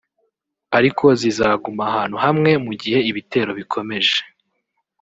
ariko zizaguma ahantu hamwe mu gihe ibitero bikomeje